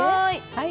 はい。